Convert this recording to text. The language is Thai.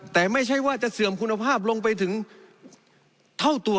แต่ไม่ใช่ว่าจะเสื่อมคุณภาพลงไปถึงเท่าตัว